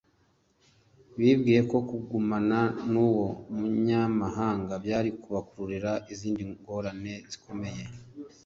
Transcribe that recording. bibwiye ko kugumana n’uwo muvamahanga byari kubakururira izindi ngorane zikomeye